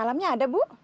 alamnya ada bu